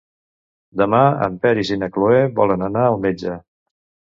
Demà en Peris i na Cloè volen anar al metge.